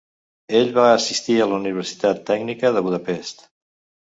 Ell va assistir a la Universitat tècnica de Budapest.